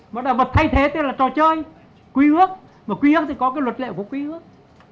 mà là vật thay thế tức là trò chơi quy ước mà quy ước thì có cái luật lệ của quy ước